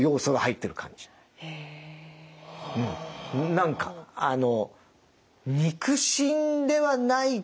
何かあの。